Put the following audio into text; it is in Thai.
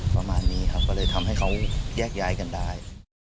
ประมาณนี้ครับก็เลยทำให้เขาแยกย้ายกันได้